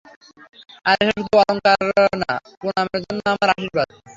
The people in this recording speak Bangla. আর এসব শুধু অলঙ্কাকার না, পুনামের জন্য তাদের আশির্বাদ।